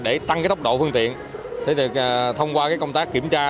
để tăng tốc độ phương tiện thông qua công tác kiểm tra